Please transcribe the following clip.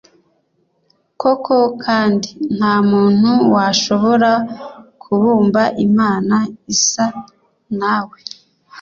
koko kandi, nta muntu washobora kubumba imana isa na we